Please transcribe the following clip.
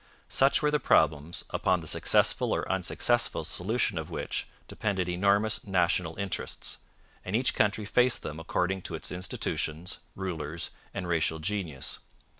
Such were the problems upon the successful or unsuccessful solution of which depended enormous national interests, and each country faced them according to its institutions, rulers, and racial genius.